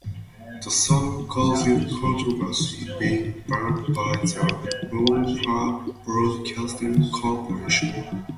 The song caused controversy, being banned by the Munhwa Broadcasting Corporation.